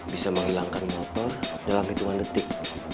bisa menghilangkan motor dalam hitungan detik